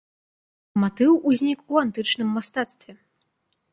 Матыў узнік у антычным мастацтве.